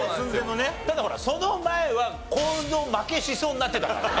ただほらその前はコールド負けしそうになってたからね。